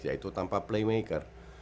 yaitu tanpa playmaker